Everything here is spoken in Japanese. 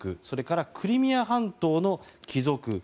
それからクリミア半島の帰属。